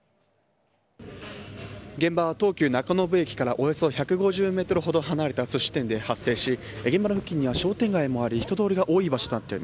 現場は東急中延駅からおよそ１５０ｍほど離れた寿司店で発生し現場の付近には商店街もあり人通りが多い場所です。